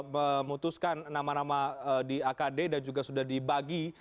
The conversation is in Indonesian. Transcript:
memutuskan nama nama di akd dan juga sudah dibagi